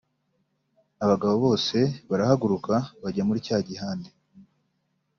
Abagabo bose barahaguruka bajya muri cya gihande